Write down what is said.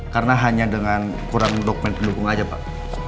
karena hanya dengan kurang dokumen pendukung aja pak